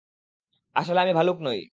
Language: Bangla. আসলে, আমি ভালুক নই।